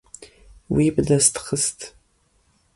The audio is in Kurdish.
Wî bi dest xist.